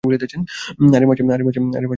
আরে মরছে, আমার গোয়াও মারছে।